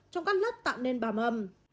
trong các lớp tạo nên bào mầm